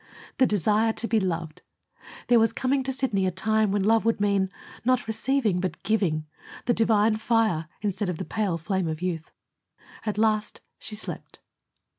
The desire to be loved! There was coming to Sidney a time when love would mean, not receiving, but giving the divine fire instead of the pale flame of youth. At last she slept.